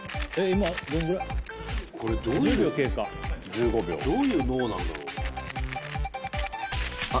今どんぐらい１０秒経過１５秒どういう脳なんだろうなあっ